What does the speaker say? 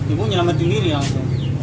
ibu nyelamatkan diri langsung